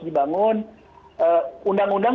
di bangun undang undang